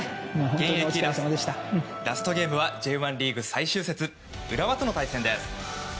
現役ラストゲームはＪ１リーグ最終節浦和との対戦です。